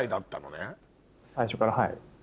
最初からはい。